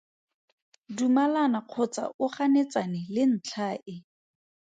Dumalana kgotsa o ganetsane le ntlha e.